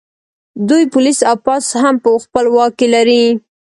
دوی پولیس او پوځ هم په خپل واک کې لري